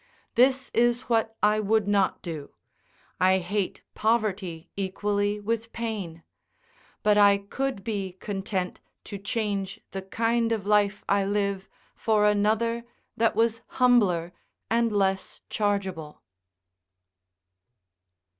This is what I would not do; I hate poverty equally with pain; but I could be content to change the kind of life I live for another that was humbler and less chargeable.